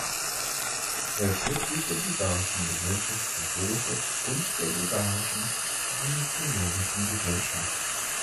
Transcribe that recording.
Er ist Mitglied der Bulgarischen Gesellschaft für Vogelschutz und der Bulgarischen Ornithologischen Gesellschaft.